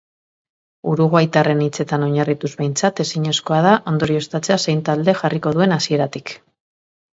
Uruguaitarraren hitzetan oinarrituz behintzat, ezinezkoa da ondorioztatzea zein talde jarriko duen hasieratik.